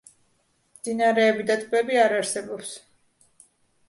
მდინარეები და ტბები არ არსებობს.